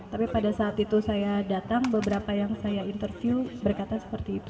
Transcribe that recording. tapi pada saat itu saya datang beberapa yang saya interview berkata seperti itu